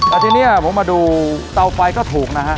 แล้วทีนี้ผมมาดูเตาไฟก็ถูกนะฮะ